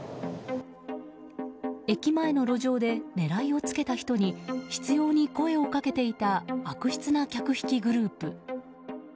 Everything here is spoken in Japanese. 駅前の路上で、狙いをつけた人に執拗に声をかけていた悪質な客引きグループ。